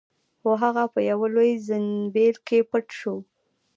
خو هغه په یوه لوی زنبیل کې پټ شو.